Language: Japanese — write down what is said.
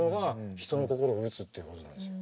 人の心を打つっていうことなんですよ。